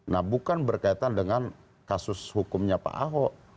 nah bukan berkaitan dengan kasus hukumnya pak ahok